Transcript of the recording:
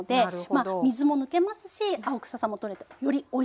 まあ水も抜けますし青くささも取れてよりおいしくなります。